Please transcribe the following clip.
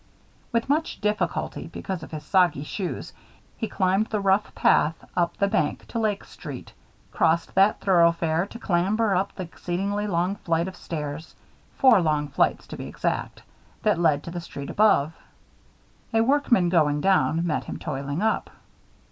With much difficulty, because of his soggy shoes, he climbed the rough path up the bank to Lake Street, crossed that thoroughfare to clamber up the exceedingly long flight of stairs four long flights to be exact that led to the street above. A workman going down met him toiling up.